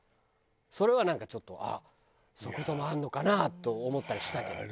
それはなんかちょっとあっそういう事もあるのかなと思ったりしたけど。